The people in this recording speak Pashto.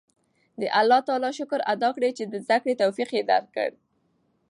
د الله تعالی شکر ادا کړئ چې د زده کړې توفیق یې درکړ.